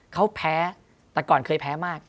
เขาแพ้แต่ก่อนเคยแพ้มาก